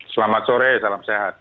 selamat sore salam sehat